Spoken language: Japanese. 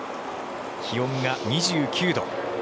気温が２９度。